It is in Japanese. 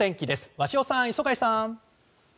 鷲尾さん、磯貝さん。